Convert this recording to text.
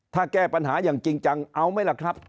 ถ้าแก้ปัญหาอย่างจริงจังเอาไหมล่ะครับ